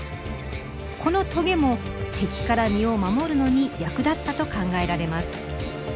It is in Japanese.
このトゲも敵から身を守るのに役立ったと考えられます。